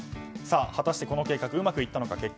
果たしてこの計画うまくいったのか。